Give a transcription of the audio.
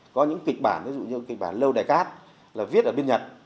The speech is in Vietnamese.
có những kịch bản ví dụ như kịch bản lâu đài cát là viết ở bên nhật